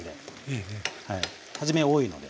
初めは多いので。